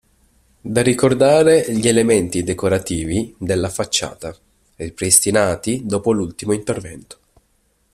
Da ricordare gli elementi decorativi della facciata, ripristinati dopo l'ultimo intervento.